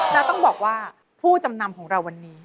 แล้วต้องบอกว่าผู้จำนำของเราวันนี้